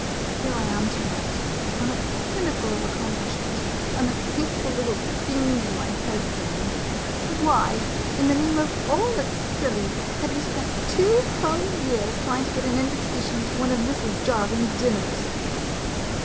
Here I am to night, on a pin nacle of accomplishment, and the hateful little fiend in my head saying, " Why, in the name of all that 's silly, have you spent two whole years trying to get an invitation to one of Mrs. Jarvin's dinners